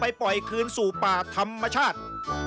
ปล่อยคืนสู่ป่าธรรมชาติ